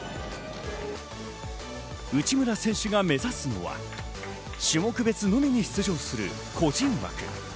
内村選手が目指すのは、種目別のみに出場する個人枠。